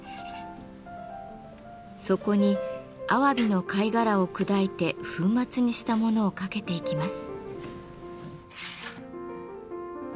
そこにアワビの貝殻を砕いて粉末にしたものをかけていきます。